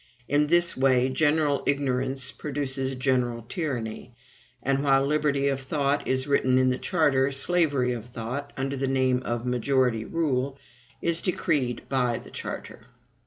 In this way, general ignorance produces general tyranny; and while liberty of thought is written in the charter, slavery of thought, under the name of MAJORITY RULE, is decreed by the charter.